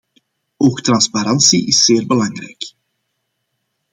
Ook transparantie is zeer belangrijk.